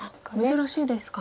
珍しいですか。